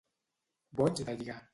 Boig de lligar.